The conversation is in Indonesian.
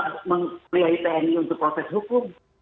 kenapa memulihai tni untuk protes hukum